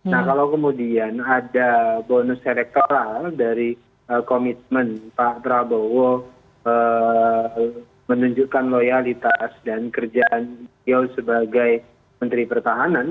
nah kalau kemudian ada bonus elektoral dari komitmen pak prabowo menunjukkan loyalitas dan kerjaan beliau sebagai menteri pertahanan